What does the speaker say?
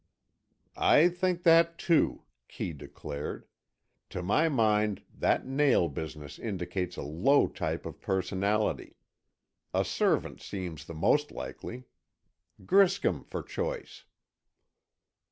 "I think that, too," Kee declared. "To my mind, that nail business indicates a low type of personality. A servant seems the most likely. Griscom, for choice."